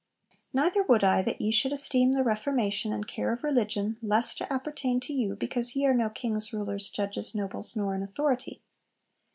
'Neither would I that ye should esteem the Reformation and care of religion less to appertain to you, because ye are no kings, rulers, judges, nobles, nor in authority.